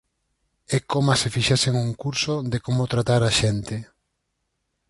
É coma se fixesen un curso de como tratar a xente.